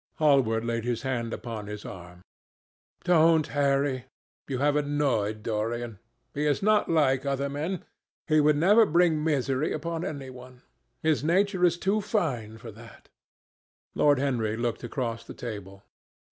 Hallward laid his hand upon his arm. "Don't, Harry. You have annoyed Dorian. He is not like other men. He would never bring misery upon any one. His nature is too fine for that." Lord Henry looked across the table.